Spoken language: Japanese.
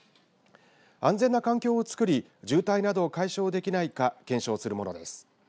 安全な環境をつくり渋滞などを解消できないか検証するものです。